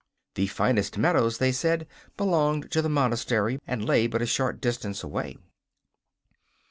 The finest meadows, they said, belonged to the monastery, and lay but a short distance away.